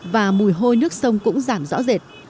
và mùi hôi nước sông cũng giảm rõ rệt